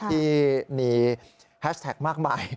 ที่มีแฮชแท็กมากมาย